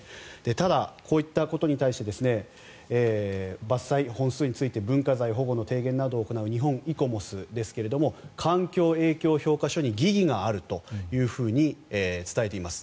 ただ、こういったことに対して伐採本数について文化財保護の提言などを行う日本イコモスですが環境影響評価書に疑義があると伝えています。